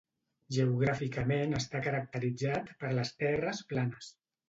Geogràficament està caracteritzat per les terres planes.